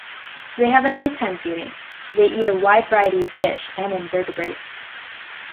They have a nighttime feeding, they eat a wide variety of fish and invertebrates.